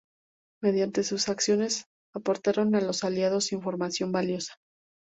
Mediante sus acciones aportaron a los Aliados información valiosa.